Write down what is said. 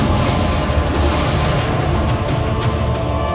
sekarang rasakan tenaga dalamku